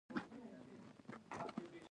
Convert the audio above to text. سرښندنو ته هم درناوی شوی دی.